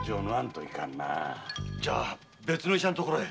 じゃ別の医者の所へ？